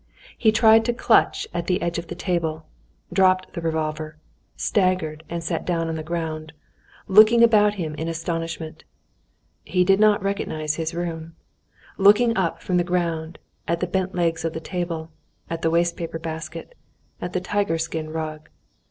He tried to clutch at the edge of the table, dropped the revolver, staggered, and sat down on the ground, looking about him in astonishment. He did not recognize his room, looking up from the ground, at the bent legs of the table, at the wastepaper basket, and the tiger skin rug.